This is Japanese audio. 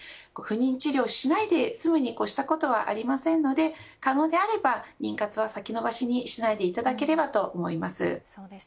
不妊治療しないで済むに越したことはありませんので可能であれば妊活は先延ばしにしないでいただければと思います。